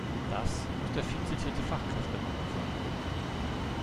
Das muss der viel zitierte Fachkräftemangel sein.